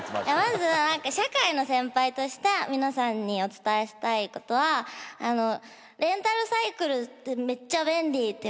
まず社会の先輩として皆さんにお伝えしたいことはあのレンタルサイクルってめっちゃ便利っていうことです。